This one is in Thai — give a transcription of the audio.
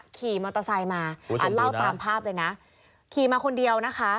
ขี่มอเตอร์ไซค์มาอ่าเล่าตามภาพเลยนะขี่มาคนเดียวนะคะ